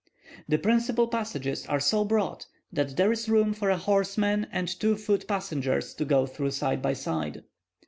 The principal passages are so broad, that there is room for a horseman and two foot passengers, to go through side by side.